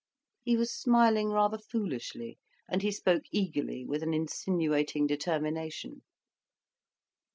He was smiling rather foolishly, and he spoke eagerly, with an insinuating determination.